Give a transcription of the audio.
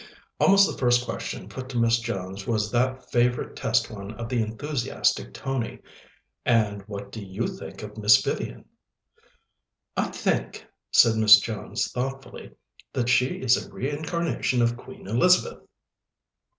Almost the first question put to Miss Jones was that favourite test one of the enthusiastic Tony, "And what do you think of Miss Vivian?" "I think," said Miss Jones thoughtfully, "that she is a reincarnation of Queen Elizabeth."